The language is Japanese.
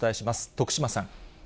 徳島さん。